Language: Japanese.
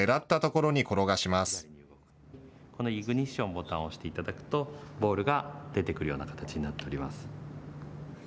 このイグニッションのボタンを押していただくとボールが出てくるような形になっております。